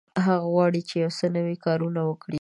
هغه غواړي چې یو څه نوي کارونه وکړي.